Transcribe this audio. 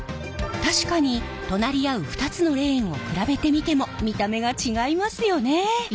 確かに隣り合う２つのレーンを比べてみても見た目が違いますよね。